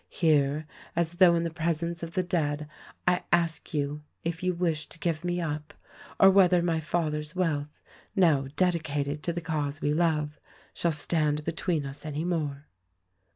Here, as though in the presence of the dead, I ask you if you wish to give me up — or whether my father's wealth — now dedicated to the cause we love — shall stand be tween us any more."